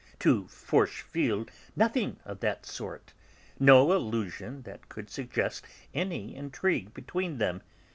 To Forcheville nothing of that sort; no allusion that could suggest any intrigue between them.